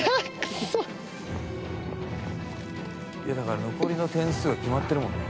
「いやだから残りの点数が決まってるもんね」